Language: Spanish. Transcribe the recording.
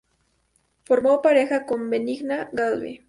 Formó pareja con Benigna Galve.